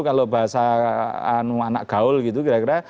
kalau bahasa anak gaul gitu kira kira